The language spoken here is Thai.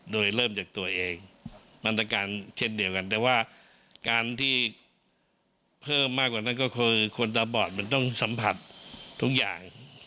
โดยเริ่มจากตัวเองมาตรการเช่นเดียวกันแต่ว่าการที่เพิ่มมากกว่านั้นก็คือคนตาบอดมันต้องสัมผัสทุกอย่าง